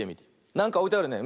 なんかおいてあるね。